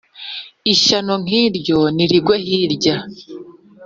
ishyano nk’iryo nirigwe hirya,